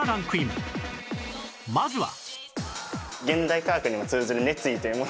まずは